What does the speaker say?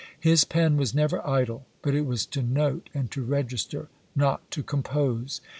His pen was never idle, but it was to note and to register, not to compose.